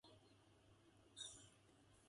They are tenable for twelve months.